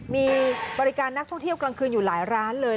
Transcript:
มีบริการนักท่องเที่ยวกลางคืนอยู่หลายร้านเลย